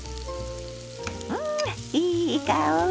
んいい香り！